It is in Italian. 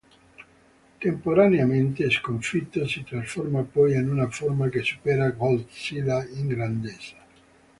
Temporaneamente sconfitto, si trasforma poi in una forma che supera Godzilla in grandezza.